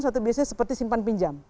satu biasanya seperti simpan pinjam